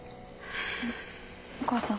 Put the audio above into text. お母さん。